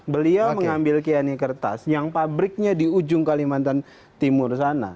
beliau mengambil kiani kertas yang pabriknya di ujung kalimantan timur sana